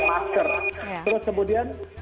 masker terus kemudian